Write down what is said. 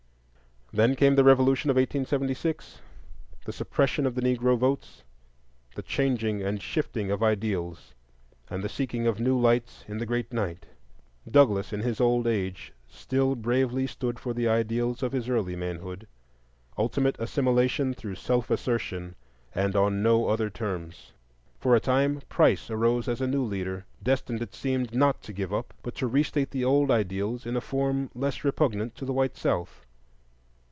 Then came the Revolution of 1876, the suppression of the Negro votes, the changing and shifting of ideals, and the seeking of new lights in the great night. Douglass, in his old age, still bravely stood for the ideals of his early manhood,—ultimate assimilation through self assertion, and on no other terms. For a time Price arose as a new leader, destined, it seemed, not to give up, but to re state the old ideals in a form less repugnant to the white South.